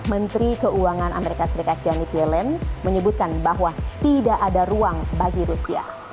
menteri keuangan amerika serikat janny kiellen menyebutkan bahwa tidak ada ruang bagi rusia